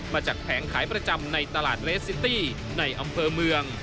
แผงขายประจำในตลาดเรสซิตี้ในอำเภอเมือง